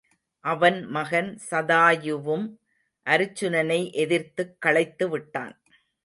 அவன் மகன் சதாயுவும் அருச்சுனனை எதிர்த்துக் களைத்துவிட்டான்.